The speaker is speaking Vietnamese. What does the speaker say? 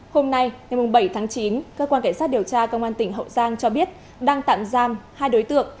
hôm nay ngày bảy tháng chín cơ quan cảnh sát điều tra công an tỉnh hậu giang cho biết đang tạm giam hai đối tượng